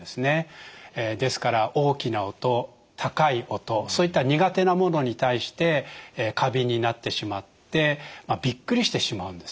ですから大きな音高い音そういった苦手なものに対して過敏になってしまってびっくりしてしまうんですね。